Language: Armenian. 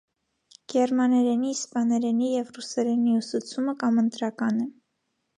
Գերմաներենի, իսպաներենի և ռուսերենի ուսուցումը կամընտրական է։